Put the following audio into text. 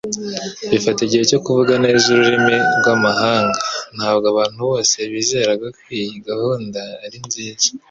Bifata igihe cyo kuvuga neza ururimi rwamahanga. Ntabwo abantu bose bizeraga ko iyi gahunda ari nziza.